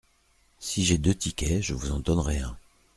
Si j’ai deux tickets, je vous en donnerai un.